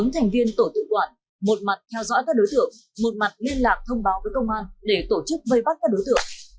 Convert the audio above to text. bốn thành viên tổ tự quản một mặt theo dõi các đối tượng một mặt liên lạc thông báo với công an để tổ chức vây bắt các đối tượng